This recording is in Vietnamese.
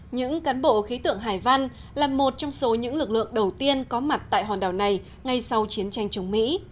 những cán bộ khí tượng hải văn là một trong số những lực lượng đầu tiên có mặt tại hòn đảo này ngay sau chiến tranh chống mỹ